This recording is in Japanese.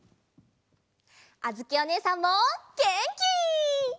あづきおねえさんもげんき！